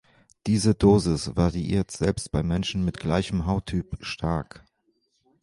Diese Dosis variiert selbst bei Menschen mit gleichem Hauttyp stark.